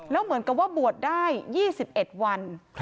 แล้วเหมือนกับว่าบวชได้๒๑วัน